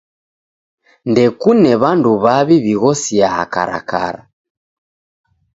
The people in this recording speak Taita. Ndekune w'andu w'aw'i w'ighosiaa karakara.